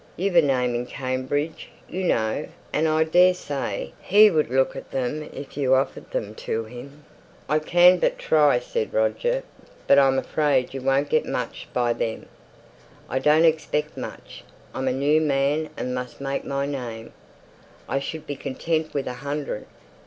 You've a name in Cambridge, you know; and I daresay he would look at them if you offered them to him." "I can but try," said Roger; "but I'm afraid you won't get much by them." "I don't expect much. I'm a new man, and must make my name. I should be content with a hundred.